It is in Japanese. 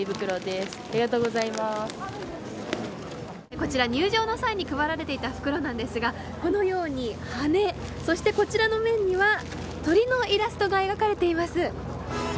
こちら、入場の際に配られていた袋なんですがこのように羽そして、こちらの面には鳥のイラストが描かれています。